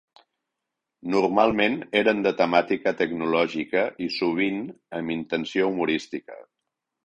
Normalment eren de temàtica tecnològica i sovint amb intenció humorística.